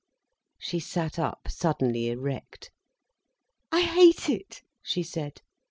She sat up, suddenly erect. "I hate it," she said.